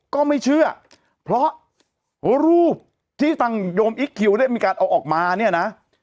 ก็ไม่เชื่อเพราะรูปที่ทางโยมอิ๊กคิวได้มีการเอาออกมาเนี่ยนะ